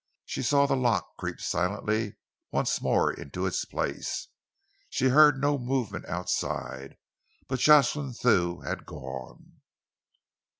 She saw the lock creep silently once more into its place. She heard no movement outside, but Jocelyn Thew had gone.